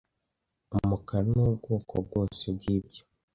Umukara n' ubwoko bwose bwibyo